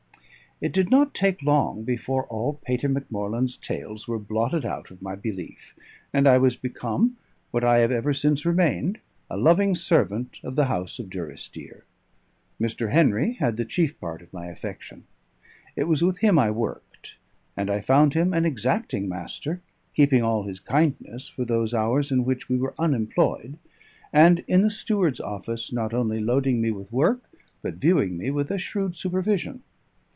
It did not take long before all Patey Macmorland's tales were blotted out of my belief, and I was become, what I have ever since remained, a loving servant of the house of Durrisdeer. Mr. Henry had the chief part of my affection. It was with him I worked; and I found him an exacting master, keeping all his kindness for those hours in which we were unemployed, and in the steward's office not only loading me with work, but viewing me with a shrewd supervision.